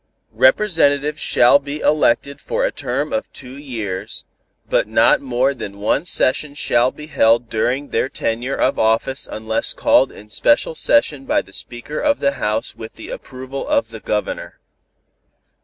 Representatives shall be elected for a term of two years, but not more than one session shall be held during their tenure of office unless called in special session by the Speaker of the House with the approval of the Governor.